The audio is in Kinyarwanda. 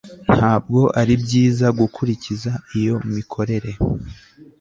Ntabwo ari byiza gukurikiza iyo mikorere